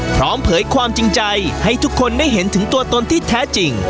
เผยความจริงใจให้ทุกคนได้เห็นถึงตัวตนที่แท้จริง